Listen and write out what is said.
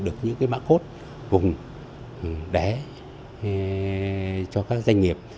được những cái mã cốt vùng để cho các doanh nghiệp